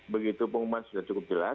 begitu pengumuman sudah cukup jelas